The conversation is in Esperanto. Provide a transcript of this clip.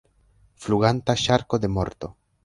Fluganta ŝarko de morto!